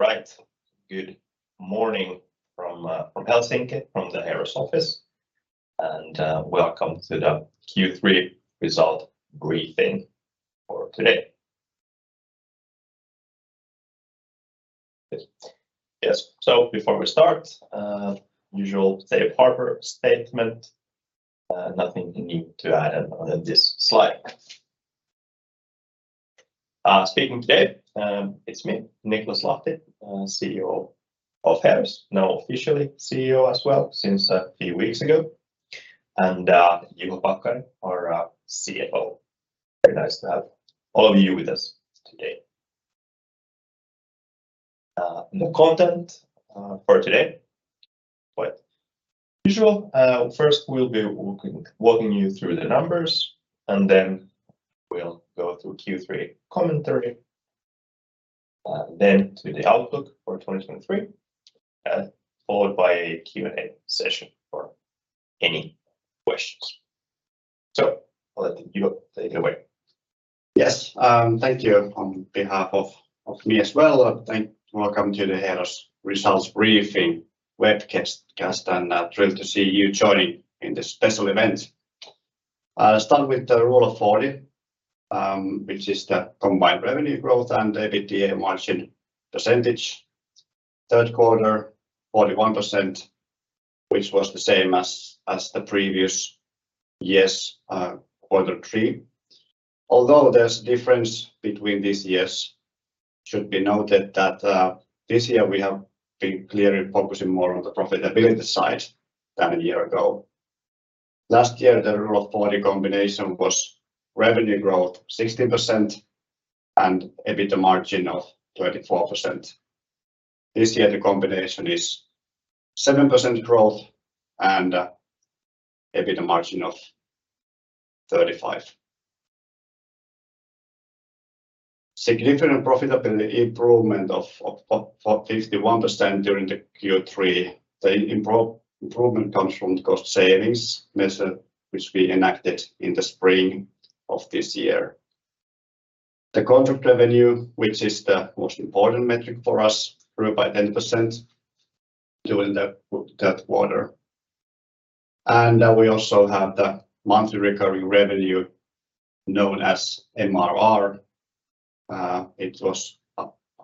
Right. Good morning from Helsinki, from the Heeros office, and Welcome to the Q3 result briefing for today. Yes, so before we start, usual safe harbor statement, nothing need to add on this slide. Speaking today, it's me, Niklas Lahti, CEO of Heeros, now officially CEO as well, since a few weeks ago, and Juho Pakkanen, our CFO. Very nice to have all of you with us today. The content for today, quite usual. First we'll be walking you through the numbers, and then we'll go through Q3 commentary, then to the outlook for 2023, followed by a Q&A session for any questions. So I'll let Juho take it away. Yes, thank you on behalf of me as well. Welcome to the Heeros Results Briefing Webcast, and I'm thrilled to see you joining in this special event. I'll start with the Rule of Forty, which is the combined revenue growth and EBITDA margin percentage. Q3, 41%, which was the same as the previous year's Q3. Although there's difference between this years, should be noted that this year we have been clearly focusing more on the profitability side than a year ago. Last year, the Rule of Forty combination was revenue growth 60% and EBITDA margin of 34%. This year, the combination is 7% growth and EBITDA margin of 35%. Significant profitability improvement of 51% during the Q3. The improvement comes from cost savings measure, which we enacted in the spring of this year. The contract revenue, which is the most important metric for us, grew by 10% during that quarter. We also have the monthly recurring revenue, known as MRR. It was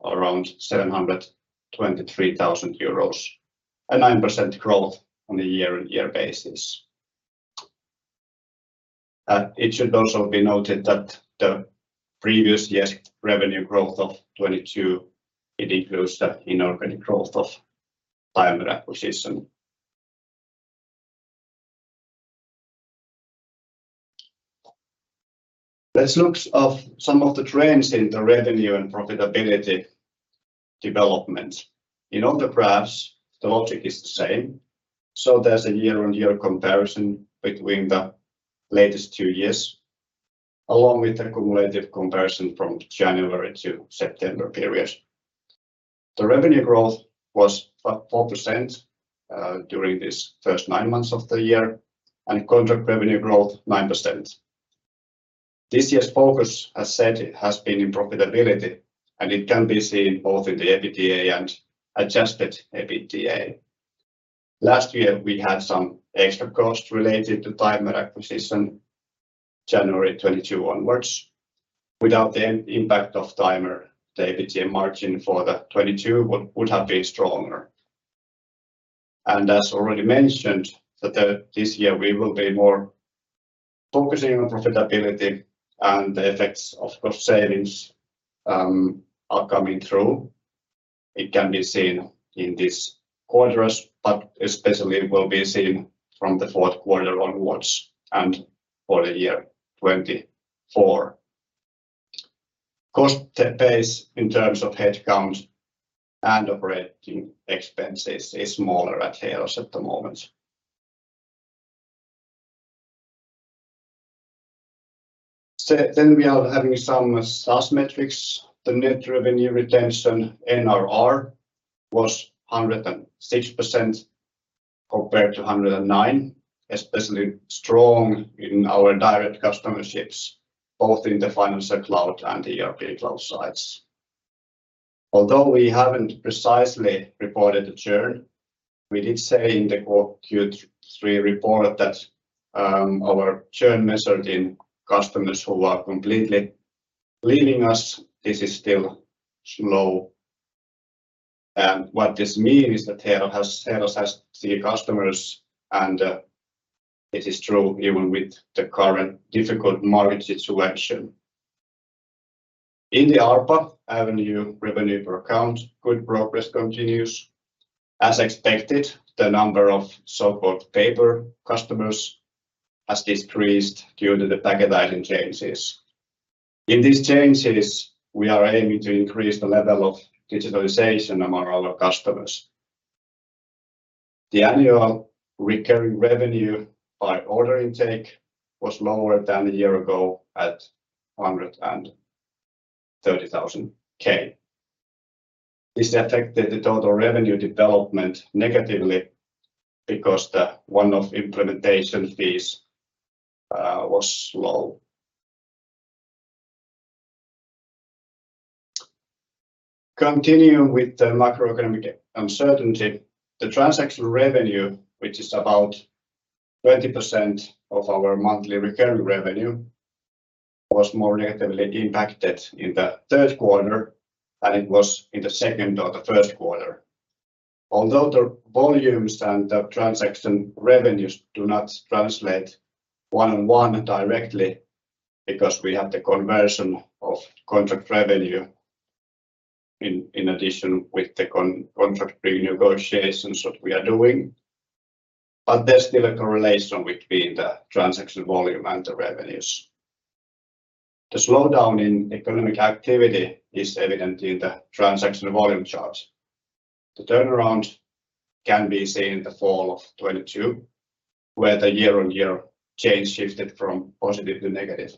around 723,000 euros, a 9% growth on a year-on-year basis. It should also be noted that the previous year's revenue growth of 22, it includes the inorganic growth of Taimer acquisition. Let's look at some of the trends in the revenue and profitability development. In all the graphs, the logic is the same, so there's a year-on-year comparison between the latest two years, along with the cumulative comparison from January-September period. The revenue growth was 4%, during this first nine months of the year, and contract revenue growth, 9%. This year's focus, as said, has been in profitability, and it can be seen both in the EBITDA and adjusted EBITDA. Last year, we had some extra cost related to Taimer acquisition, January 2022 onwards. Without the impact of Taimer, the EBITDA margin for 2022 would have been stronger. As already mentioned, this year we will be more focusing on profitability and the effects of cost savings are coming through. It can be seen in these quarters, but especially will be seen from the Q4 onwards and for the year 2024. Cost base in terms of headcount and operating expenses is smaller at Heeros at the moment. So then we are having some SaaS metrics. The net revenue retention, NRR, was 106% compared to 109%, especially strong in our direct customerships, both in the Financial Cloud and the ERP Cloud sides. Although we haven't precisely reported the churn, we did say in the Q3 report that, our churn measured in customers who are completely leaving us, this is still low. And what this mean is that Heeros has key customers, and, it is true even with the current difficult market situation. In the ARPA, Average Revenue Per Account, good progress continues. As expected, the number of so-called paper customers has decreased due to the packaging changes. In these changes, we are aiming to increase the level of digitalization among our customers. The annual recurring revenue by order intake was lower than a year ago at 130,000. This affected the total revenue development negatively because the one-off implementation fees was low. Continuing with the macroeconomic uncertainty, the transaction revenue, which is about 20% of our monthly recurring revenue, was more negatively impacted in the Q3 than it was in the Q2 or the Q1. Although the volumes and the transaction revenues do not translate one-on-one directly, because we have the conversion of contract revenue in addition with the contract renegotiations that we are doing, but there's still a correlation between the transaction volume and the revenues. The slowdown in economic activity is evident in the transaction volume charts. The turnaround can be seen in the fall of 2022, where the year-on-year change shifted from positive to negative.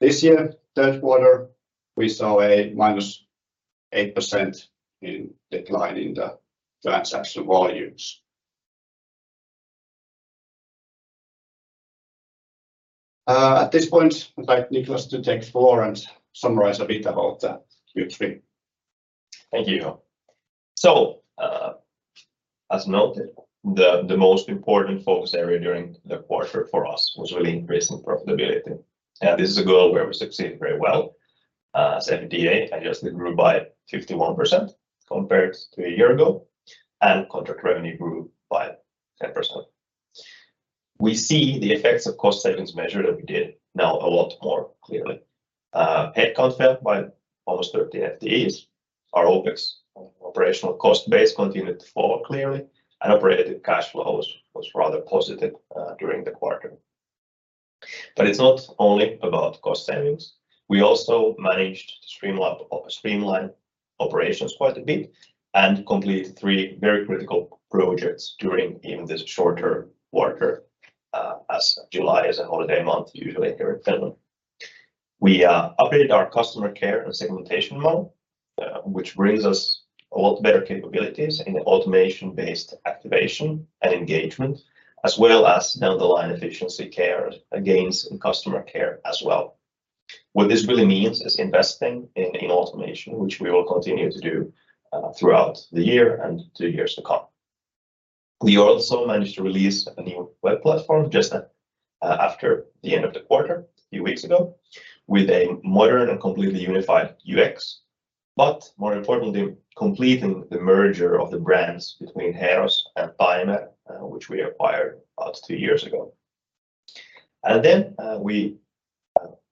This year, Q3, we saw a -8% decline in the transaction volumes. At this point, I'd like Niklas to take the floor and summarize a bit about the Q3. Thank you. So, as noted, the most important focus area during the quarter for us was really increasing profitability. This is a goal where we succeeded very well. As EBITDA adjusted grew by 51% compared to a year ago, and contract revenue grew by 10%. We see the effects of cost savings measure that we did now a lot more clearly. Headcount fell by almost 30 FTEs. Our OpEx, operational cost base, continued to fall clearly, and operating cash flow was rather positive during the quarter. It's not only about cost savings. We also managed to streamline operations quite a bit and complete three very critical projects during even this shorter quarter, as July is a holiday month, usually here in Finland. We updated our customer care and segmentation model, which brings us a lot better capabilities in automation-based activation and engagement, as well as down the line efficiency care, gains in customer care as well. What this really means is investing in, in automation, which we will continue to do, throughout the year and the years to come. We also managed to release a new web platform just after the end of the quarter, a few weeks ago, with a modern and completely unified UX, but more importantly, completing the merger of the brands between Heeros and Taimer, which we acquired about two years ago. Then we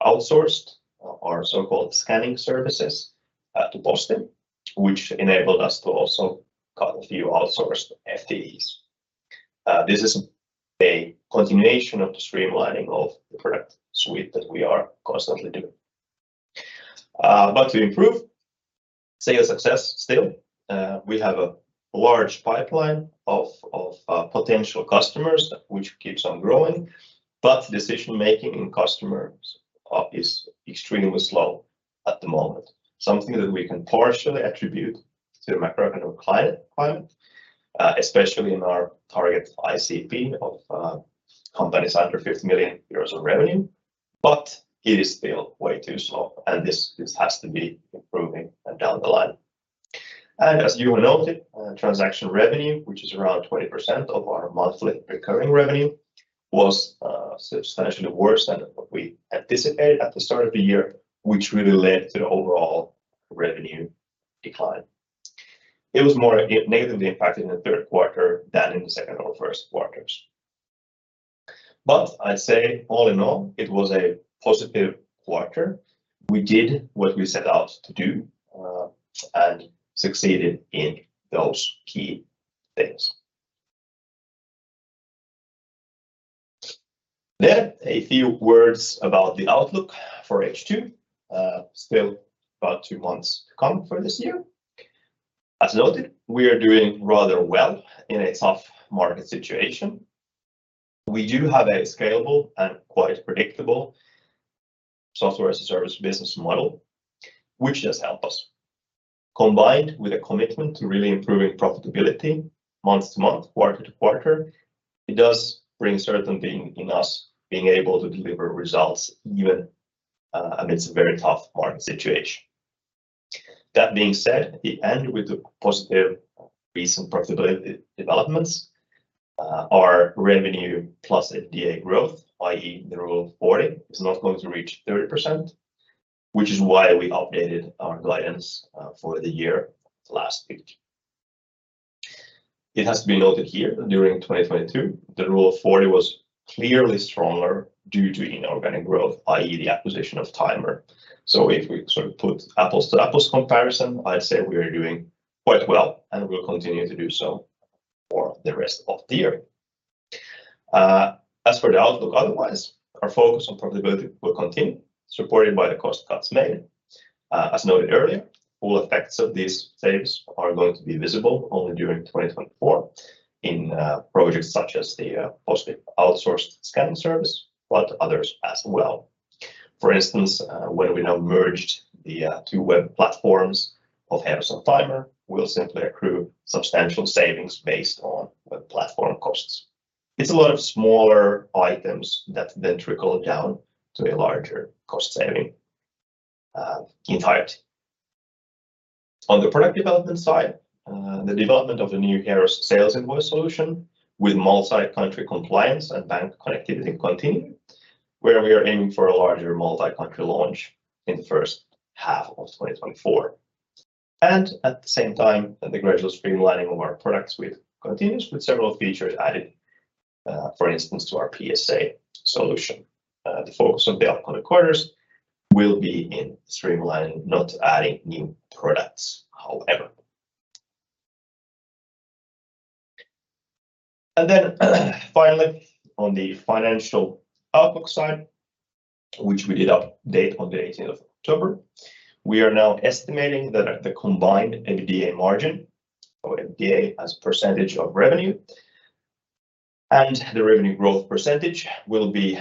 outsourced our so-called scanning services to Boston, which enabled us to also cut a few outsourced FTEs. This is a continuation of the streamlining of the product suite that we are constantly doing. But to improve sales success still, we have a large pipeline of potential customers, which keeps on growing, but decision-making in customers is extremely slow at the moment. Something that we can partially attribute to the macroeconomic climate, especially in our target ICP of companies under 50 million euros in revenue, but it is still way too slow, and this has to be improving down the line. And as you noted, transaction revenue, which is around 20% of our monthly recurring revenue, was substantially worse than what we anticipated at the start of the year, which really led to the overall revenue decline. It was more negatively impacted in the third quarter than in the Q2 or Q1. But I'd say, all in all, it was a positive quarter. We did what we set out to do, and succeeded in those key things. Then, a few words about the outlook for H2. Still about two months to come for this year. As noted, we are doing rather well in a tough market situation. We do have a scalable and quite predictable software as a service business model, which does help us. Combined with a commitment to really improving profitability month-month, quarter-to-quarter, it does bring certainty in us being able to deliver results even, amidst a very tough market situation. That being said, together with the positive recent profitability developments, our revenue plus EBITDA growth, i.e. the Rule of Forty, is not going to reach 30%, which is why we updated our guidance, for the year last week. It has to be noted here, during 2022, the Rule of Forty was clearly stronger due to inorganic growth, i.e., the acquisition of Taimer. So if we sort of put apples to apples comparison, I'd say we are doing quite well, and we'll continue to do so for the rest of the year. As for the outlook, otherwise, our focus on profitability will continue, supported by the cost cuts made. As noted earlier, full effects of these saves are going to be visible only during 2024 in projects such as the Posti outsourced scanning service, but others as well. For instance, when we now merged the two web platforms of Heeros and Taimer, we'll simply accrue substantial savings based on web platform costs.... It's a lot of smaller items that then trickle down to a larger cost saving in entirety. On the product development side, the development of the new Heeros sales invoice solution with multi-country compliance and bank connectivity continue, where we are aiming for a larger multi-country launch in the first half of 2024. At the same time, the gradual streamlining of our products continues, with several features added, for instance, to our PSA solution. The focus on the upcoming quarters will be in streamlining, not adding new products, however. Then finally, on the financial outlook side, which we did update on the 18 of October, we are now estimating that the combined EBITDA margin, or EBITDA as percentage of revenue, and the revenue growth percentage will be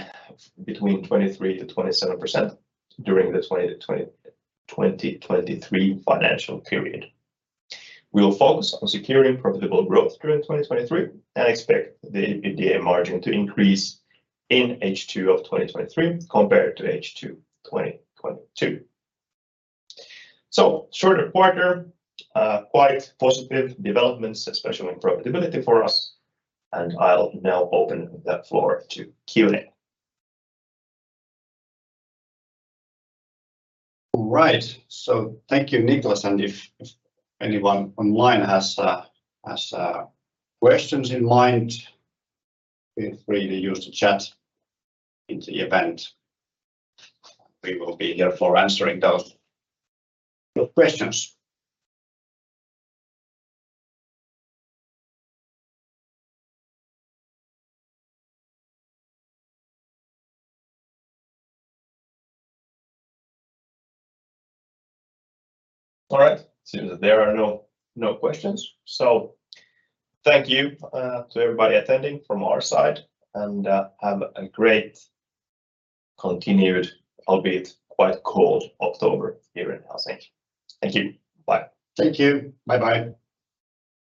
between 23%-27% during the 2023 financial period. We will focus on securing profitable growth during 2023 and expect the EBITDA margin to increase in H2 of 2023 compared to H2 2022. So shorter quarter, quite positive developments, especially in profitability for us, and I'll now open the floor to Q&A. All right. Thank you, Niklas, and if anyone online has questions in mind, feel free to use the chat in the event. We will be here for answering those questions. All right. It seems that there are no, no questions. Thank you to everybody attending from our side, and have a great continued, albeit quite cold, October here in Helsinki. Thank you. Bye. Thank you. Bye bye.